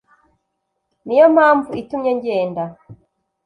ni yo mpamvu itumye ngeda